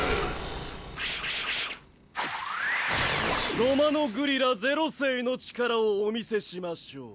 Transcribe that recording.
ロマノグリラ０世の力をお見せしましょう。